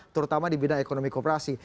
terutama di bidang ekonomi kooperasi